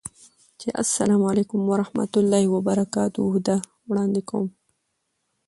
چې اسلام علیکم ورحمة الله وبرکاته ده، وړاندې کوم